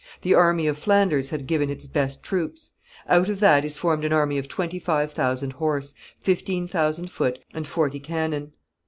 The army of Flanders had given its best troops. Out of that is formed an army of twenty five thousand horse, fifteen thousand foot, and forty cannon.